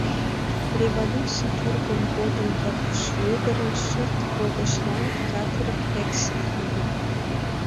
Революций тургым годым Якуш Вӧдырын сурт погыжлан ятыр эксык лийын.